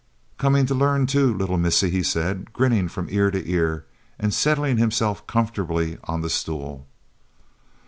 "Coming to learn too, little missie," he said, grinning from ear to ear and settling himself comfortably on the stool.